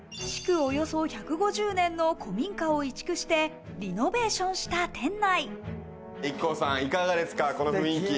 およそ１５０年の古民家を移築してリノベーションした店内。